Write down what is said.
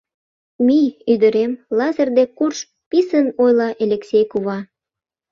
— Мий, ӱдырем, Лазыр дек курж, — писын ойла Элексей кува.